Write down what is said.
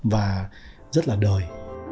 và rất là đời